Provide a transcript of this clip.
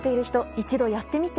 一度やってみて。